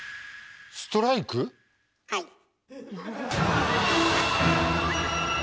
ストライク⁉はい。